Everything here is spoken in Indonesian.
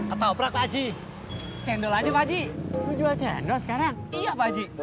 atau berapa aja cendol aja wajib jual cendol sekarang iya baju